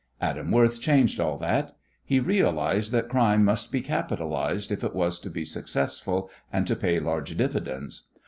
Adam Worth changed all that. He realized that crime must be capitalized if it was to be successful and to pay large dividends.